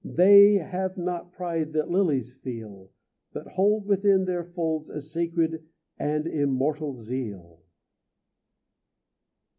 They have not pride that lilies feel, But hold within their folds a sacred And immortal zeal.